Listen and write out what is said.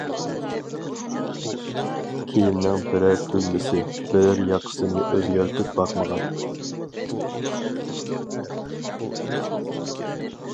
كىيىمنىڭ بىرەر تۈگمىسى، بىرەر ياقىسىنى ئۆزگەرتىپ باقمىغان.